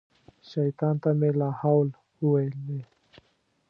شیطان ته مې لا حول وویلې.